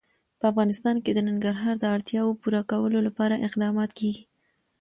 په افغانستان کې د ننګرهار د اړتیاوو پوره کولو لپاره اقدامات کېږي.